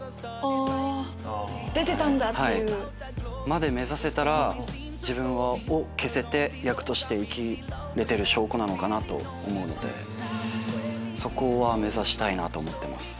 まで目指せたら自分を消せて役として生きれてる証拠なのかと思うのでそこは目指したいなと思ってます。